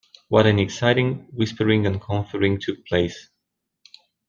What an excited whispering and conferring took place.